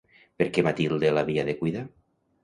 Per què Matilde l'havia de cuidar?